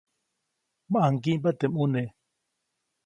ʼMaŋgiʼmba teʼ ʼmune.